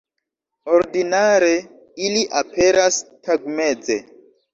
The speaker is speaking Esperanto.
Ordinare ili aperas tagmeze.